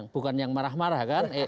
bukan yang marah marah kan